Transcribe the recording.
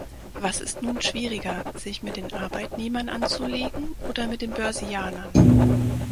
Was ist nun schwieriger, sich mit den Arbeitnehmern anzulegen oder mit den Börsianern?